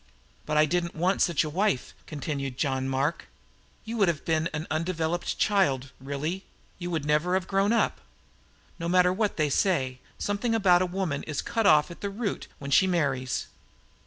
"But I didn't want such a wife," continued John Mark. "You would have been an undeveloped child, really; you would never have grown up. No matter what they say, something about a woman is cut off at the root when she marries.